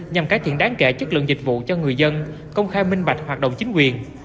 nhằm cải thiện đáng kể chất lượng dịch vụ cho người dân công khai minh bạch hoạt động chính quyền